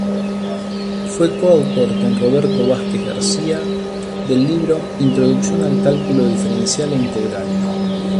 Fue co-autor con Roberto Vázquez García del libro "Introducción al cálculo diferencial e integral".